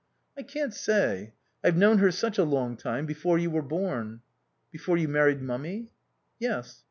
"I can't say. I've known her such a long time; before you were born." "Before you married Mummy!" "Yes."